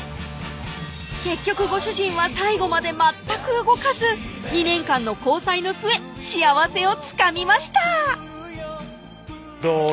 結局ご主人は最後まで全く動かず２年間の交際の末幸せをつかみましたどう？